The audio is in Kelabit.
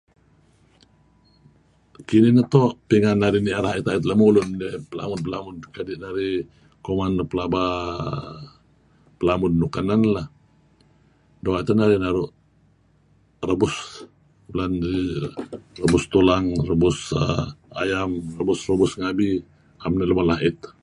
Kinih neto' pingan narih nir ait, ait lemulun elamud-pelamud kadi' narih kuman nuk pelamud nuk kanen. Leng lah. Doo' ayu' teh narih naru' rebus. Belaan duln rebus tulang, rebus ayam, rebus-rebs ngabi. Am neh mula' ait.